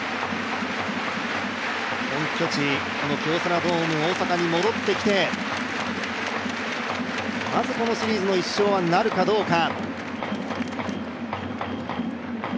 本拠地、この京セラドーム大阪に戻ってきて、まずこのシリーズの１勝なるかどうか。